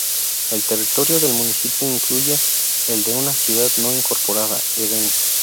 El territorio del municipio incluye el de una ciudad no incorporada, Eden.